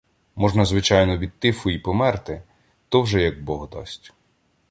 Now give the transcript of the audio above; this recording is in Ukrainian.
Можна, звичайно, від тифу і померти — то вже як Бог дасть.